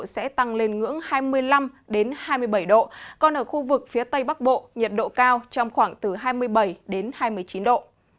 sẽ tăng lên ngưỡng hai mươi năm hai mươi bảy độ còn ở khu vực phía tây bắc bộ nhiệt độ cao trong khoảng từ hai mươi bảy đến hai mươi chín độ